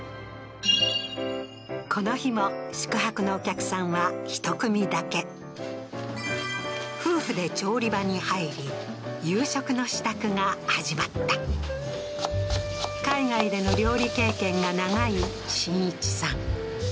この日も宿泊のお客さんは１組だけ夫婦で調理場に入り夕食の支度が始まった海外での料理経験が長い心一さん